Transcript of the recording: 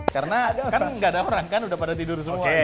karena kan gak ada orang kan udah pada tidur semua gitu